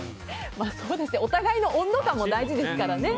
お互いの温度感も大事ですからね。